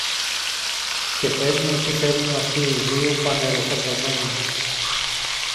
και πες μου τι θέλουν αυτοί οι δυο πανεροφορτωμένοι.